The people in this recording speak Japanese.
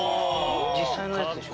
実際のやつです